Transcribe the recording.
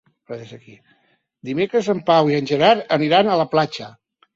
Dimecres en Pau i en Gerard aniran a la platja.